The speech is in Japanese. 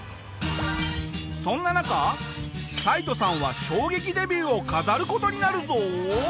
そんな中タイトさんは衝撃デビューを飾る事になるぞ。